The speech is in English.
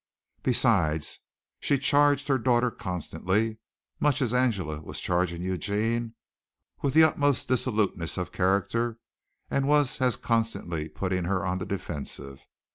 Besides she charged her daughter constantly, much as Angela was charging Eugene, with the utmost dissoluteness of character and was as constantly putting her on the defensive.